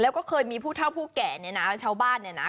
แล้วก็เคยมีผู้เท่าผู้แก่เนี่ยนะชาวบ้านเนี่ยนะ